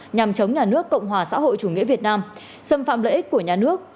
nhằm chống nhà nước cộng hòa xã hội chủ nghĩa việt nam xâm phạm lợi ích của nhà nước